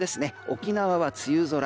沖縄は梅雨空。